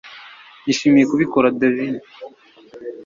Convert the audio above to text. Nishimiye kubikora David